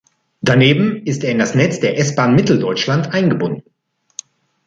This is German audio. Daneben ist er in das Netz der S-Bahn Mitteldeutschland eingebunden.